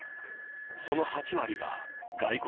その８割が外国人だ。